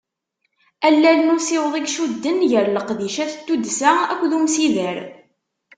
Allal n usiweḍ i icudden gar leqdicat n tuddsa akked umsider.